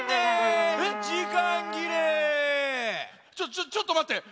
ちょちょっとまって。